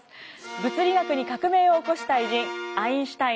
物理学に革命を起こした偉人アインシュタイン。